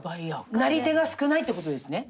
なり手が少ないってことですね。